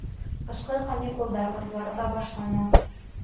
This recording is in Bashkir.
Ҡышҡы каникулдар ғинуарҙа башлана.